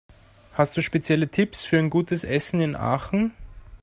Hast du spezielle Tipps für gutes Essen in Aachen?